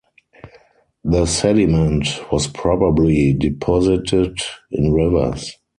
The sediment was probably deposited in rivers.